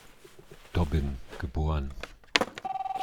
Dobbin geboren.